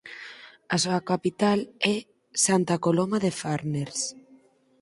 A súa capital é Santa Coloma de Farners.